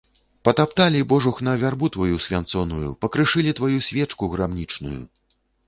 Патапталі, божухна, вярбу тваю свянцоную, пакрышылі тваю свечку грамнічную.